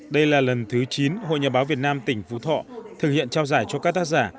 đây là lần thứ chín hội nhà báo việt nam tỉnh phú thọ thực hiện trao giải cho các tác giả